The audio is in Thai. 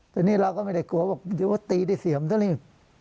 แต่นี่เราก็ไม่ได้กลัวบอกว่าตีได้เสี่ยมเท่านี้